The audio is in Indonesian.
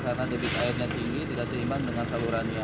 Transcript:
karena debit airnya tinggi tidak seimbang dengan salurannya